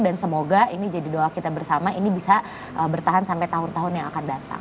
dan semoga ini jadi doa kita bersama ini bisa bertahan sampai tahun tahun yang akan datang